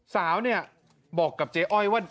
สาวบอกกับเจ๊อ้อยว่า